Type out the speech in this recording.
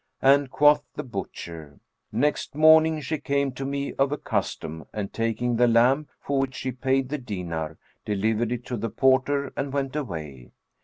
And quoth the butcher, "Next morning she came to me as of custom and taking the lamb, for which she paid the dinar, delivered it to the porter and went away.